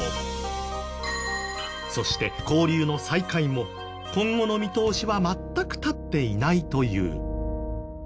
そして交流の再開も今後の見通しは全く立っていないという。